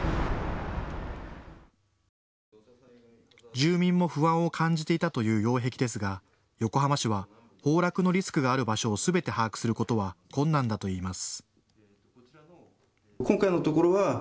住民も不安を感じていたという擁壁ですが横浜市は崩落のリスクがある場所をすべて把握することは困難だといいます。